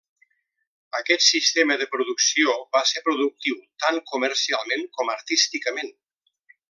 Aquest sistema de producció va ser productiu tant comercialment com artísticament.